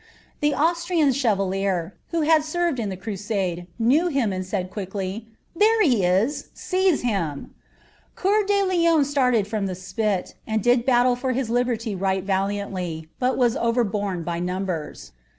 The Austrian chevalier, who hud servej in the cruaile, koeir hira, and said quickly, " There he in — seize liitn I" C<eur de Lion started from the spit, and did battle fur his liberty Djhl valiantly, but was overborne by numbers.'